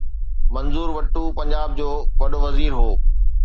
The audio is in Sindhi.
منظور ويٽو پنجاب جو وڏو وزير هو.